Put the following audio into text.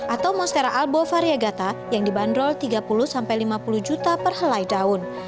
atau monstera albo variegata yang dibanderol tiga puluh sampai lima puluh juta perhelai daun